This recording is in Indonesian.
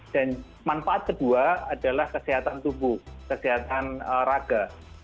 dan manfaat kedua adalah kesehatan tubuh kesehatan raga